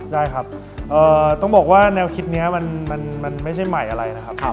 ได้ครับต้องบอกว่าแนวคิดนี้มันไม่ใช่ใหม่อะไรนะครับ